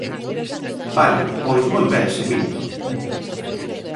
Vale, pois moi ben se minto.